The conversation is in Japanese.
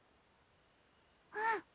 うん。